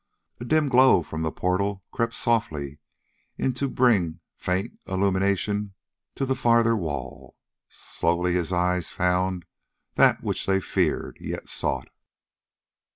A dim glow from the portal crept softly in to bring faint illumination to the farther wall. Slowly his eyes found that which they feared yet sought.